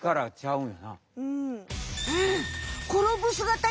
うん。